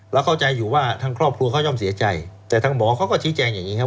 เข้าใจอยู่ว่าทางครอบครัวเขาย่อมเสียใจแต่ทางหมอเขาก็ชี้แจงอย่างนี้ครับ